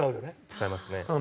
使いますね。